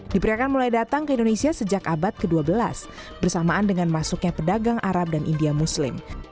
diperkirakan mulai datang ke indonesia sejak abad ke dua belas bersamaan dengan masuknya pedagang arab dan india muslim